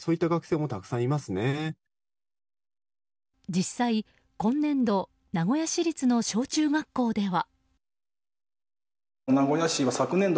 実際、今年度名古屋市立の小中学校では。